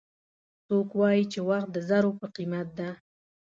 څوک وایي چې وخت د زرو په قیمت ده